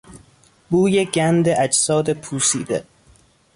بوی گند اجساد پوسیده